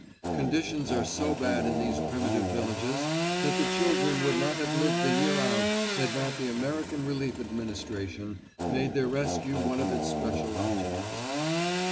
Conditions are so bad in these primitive villages that the children would not have lived the year out had not the American Relief Administration made their rescue one of its special objects.